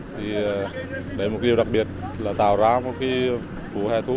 thì đấy là một điều đặc biệt là tạo ra một cái cú hẻ thu